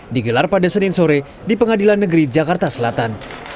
digelar pada senin sore di pengadilan negeri jakarta selatan